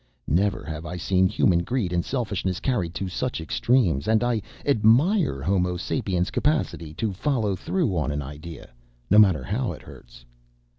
Never have I seen human greed and selfishness carried to such extremes and I admire Homo sapiens' capacity to follow through on an idea, no matter how it hurts."